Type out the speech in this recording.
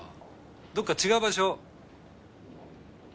どっか違う場所。